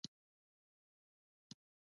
د اتوم هسته چا کشف کړه.